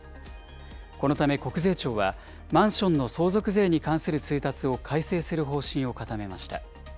このため国税庁は、マンションの相続税に関する通達を改正する方針を固めました。